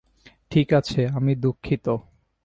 ঠিকাছে, আমি দুঃখিত!